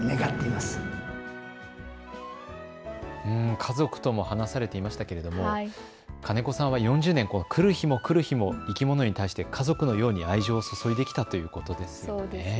家族とも話されていましたけれども金子さんは４０年来る日も来る日も生き物に対して家族のように愛情を注いできたということですよね。